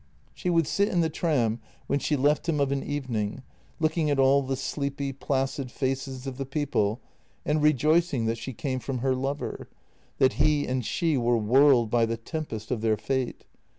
She would sit in the tram when she left him of an evening, looking at all the sleepy, placid faces of the people, and re joicing that she came from her lover — that he and she were whirled by the tempest of their fate.